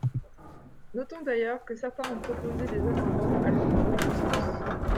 Notons d’ailleurs que certains ont proposé des amendements allant dans l’autre sens.